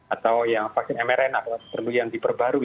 atau yang vaksin mrn apakah perlu yang diperbarui